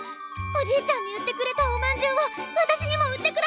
おじいちゃんに売ってくれたおまんじゅうを私にも売ってください！